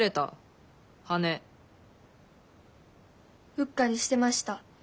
うっかりしてました。